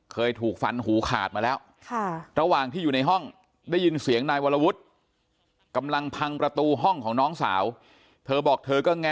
เคยถูกฝันหูขาดมาแล้วค่ะ